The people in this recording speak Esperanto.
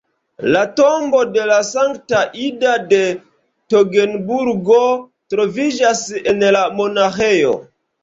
La tombo de la Sankta Ida de Togenburgo troviĝas en la monaĥejo.